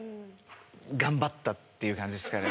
頑張ったっていう感じっすかね